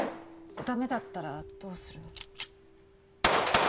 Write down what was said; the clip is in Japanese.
ダメだったらどうするの？